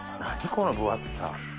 この分厚さ。